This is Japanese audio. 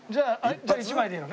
じゃあ１枚でいいのね？